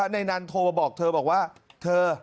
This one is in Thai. ในนั้นโทรมาบอกเธอบอกว่าเธอ